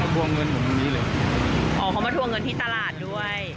เขาจะมาทัวร์เงินของผมตรงนี้เลยอ๋อเขามาทัวร์เงินที่ตลาดด้วย